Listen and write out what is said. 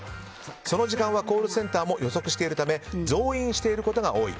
その時間はコールセンターも予測しているため増員していることが多い。